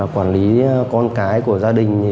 quản lý con cái của gia đình